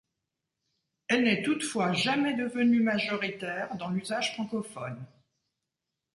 Elle n'est toutefois jamais devenue majoritaire dans l'usage francophone.